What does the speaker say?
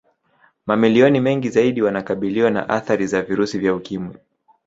Mamilioni mengi zaidi wanakabiliwa na athari za virusi vya Ukimwi